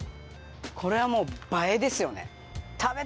これはもう映えですよね。